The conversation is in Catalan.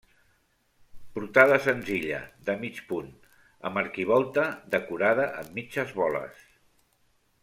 Portada senzilla, de mig punt amb arquivolta decorada amb mitges boles.